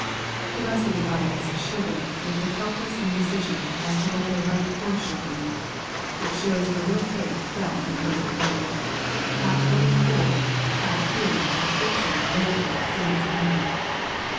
The rest of the audience shivered with the helpless indecision as to what their right course should be: which shows the little faith felt in the present Government, half hoping for, half fearing the conscription of labour that seems imminent.